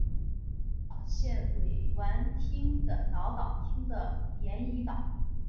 出生于广岛县尾丸町的岛岛町的岩崎岛。